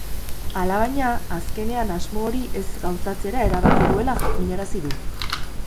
Alabaina, azkenean asmo hori ez gauzatzea erabaki duela jakinarazi du.